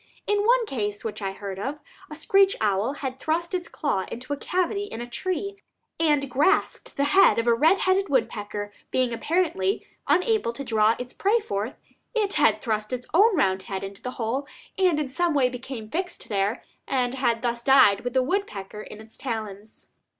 In one case which I heard of, a screech owl had thrust its claw into a cavity in a tree, and grasped the head of a red headed woodpecker; being apparently unable to draw its prey forth, it had thrust its own round head into the hole, and in some way became fixed there, and had thus died with the woodpecker in its talons.